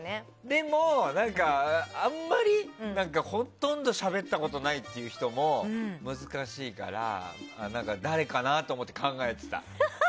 でも、あんまりほとんどしゃべったことないって人も難しいから誰かなと思って考えてた。